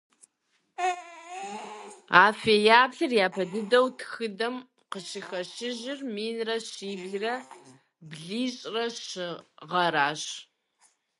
А фэеплъыр япэ дыдэу тхыдэм къыщыхэщыжыр минрэ щиблрэ блыщӏрэ щы гъэращ.